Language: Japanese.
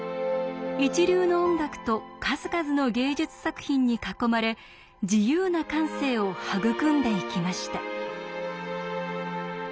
一流の音楽と数々の芸術作品に囲まれ自由な感性を育んでいきました。